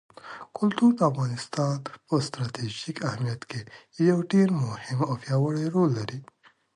کلتور د افغانستان په ستراتیژیک اهمیت کې یو ډېر مهم او پیاوړی رول لري.